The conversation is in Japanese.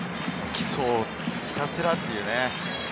基礎をひたすらっていうね。